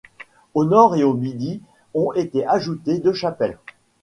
Au nord et au midi ont été ajoutées deux chapelles.